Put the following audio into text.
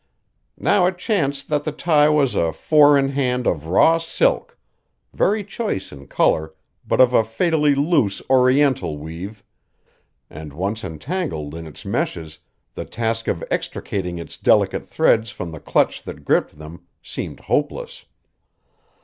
Now it chanced that the tie was a four in hand of raw silk, very choice in color but of a fatally loose oriental weave; and once entangled in its meshes the task of extricating its delicate threads from the clutch that gripped them seemed hopeless.